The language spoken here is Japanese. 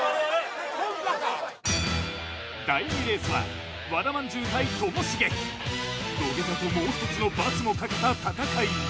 コンパか第２レースは和田まんじゅう対ともしげ土下座ともう一つの罰もかけた戦いに